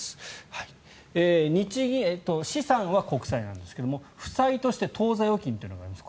資産は国債なんですが負債として当座預金というのがあります。